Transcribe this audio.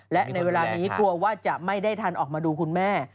และในเวลานี้กลัวว่าจะไม่ได้ทันออกมาดูคุณแม่